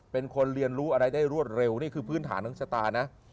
เป็นคนเรียนรู้อะไรได้รวดเร็วนี่คือพื้นฐานทั้งชะตานะ